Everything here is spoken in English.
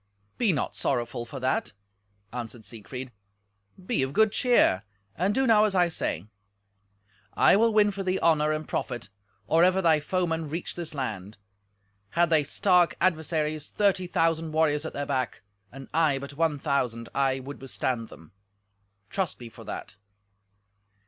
"Be not sorrowful for that," answered Siegfried; "be of good cheer, and do now as I say. I will win for thee honour and profit or ever thy foemen reach this land. Had they stark adversaries thirty thousand warriors at their back, and I but one thousand, I would withstand them—trust me for that."